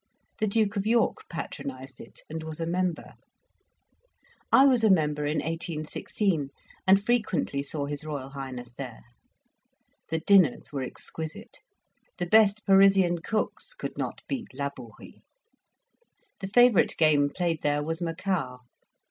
The Duke of York patronized it, and was a member. I was a member in 1816, and frequently saw his Royal Highness there. The dinners were exquisite; the best Parisian cooks could not beat Labourie. The favourite game played there was macao.